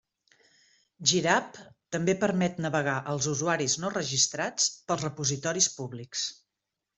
GitHub també permet navegar als usuaris no registrats pels repositoris públics.